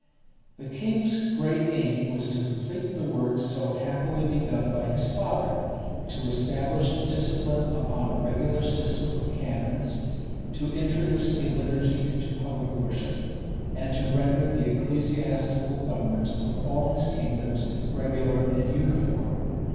The king's great aim was to complete the work so happily begun by his father; to establish discipline upon a regular system of canons, to introduce a liturgy into public worship, and to render the ecclesiastical government of all his kingdoms regular and uniform.